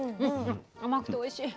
甘くておいしい。